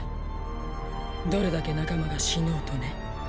どれだけ仲間が死のうとね。